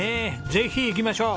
ぜひ行きましょう！